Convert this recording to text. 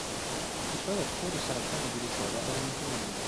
I suoi arcieri saraceni di Lucera erano in prima linea.